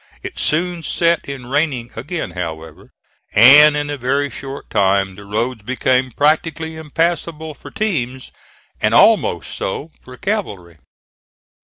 It soon set in raining again however, and in a very short time the roads became practically impassable for teams, and almost so for cavalry.